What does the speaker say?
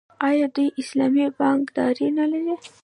آیا دوی اسلامي بانکداري نلري؟